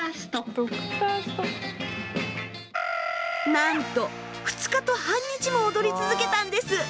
なんと２日と半日も踊り続けたんです。